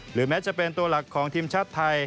แม้จะเป็นตัวหลักของทีมชาติไทย